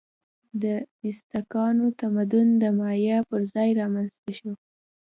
د ازتکانو تمدن د مایا پر ځای رامنځته شو.